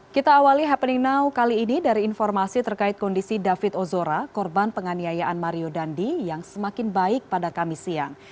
kita awali happening now kali ini dari informasi terkait kondisi david ozora korban penganiayaan mario dandi yang semakin baik pada kamis siang